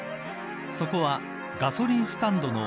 そこは、ガソリンスタンドの